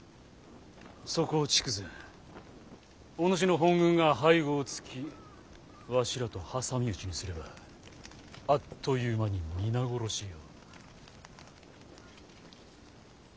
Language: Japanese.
そこを筑前お主の本軍が背後をつきわしらと挟み撃ちにすればあっという間に皆殺しよ。